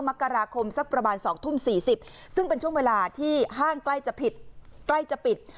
มกราคมสักประมาณสองทุ่มสี่สิบซึ่งเป็นช่วงเวลาที่ห้างใกล้จะผิด